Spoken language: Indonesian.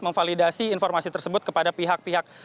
memvalidasi informasi tersebut kepada pihak pihak